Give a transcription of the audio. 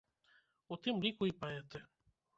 У тым ліку і паэты.